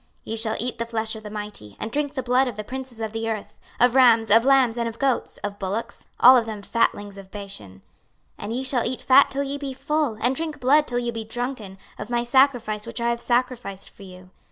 26:039:018 Ye shall eat the flesh of the mighty, and drink the blood of the princes of the earth, of rams, of lambs, and of goats, of bullocks, all of them fatlings of Bashan. 26:039:019 And ye shall eat fat till ye be full, and drink blood till ye be drunken, of my sacrifice which I have sacrificed for you.